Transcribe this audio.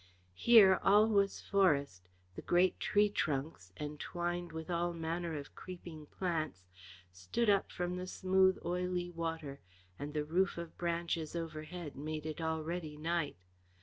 Here all was forest: the great tree trunks, entwined with all manner of creeping plants, stood up from the smooth oily water, and the roof of branches over head made it already night.